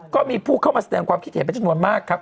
ก็มีผู้เข้ามาแสดงความคิดเห็นเป็นจำนวนมากครับ